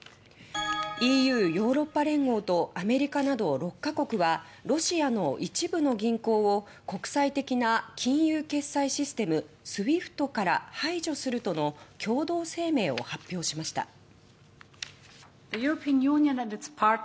ＥＵ・ヨーロッパ連合とアメリカなど６か国はロシアの一部の銀行を国際的な金融決済システムＳＷＩＦＴから排除するとの共同声明を発表しました。